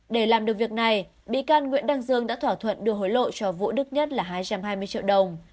để làm được việc này bị can nguyễn đăng dương đã thỏa thuận đưa hối lộ cho vũ đức nhất là hai trăm hai mươi triệu đồng